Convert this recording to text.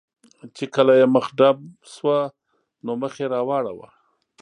چې کله یې مخه ډب شوه، نو مخ یې را واړاوه.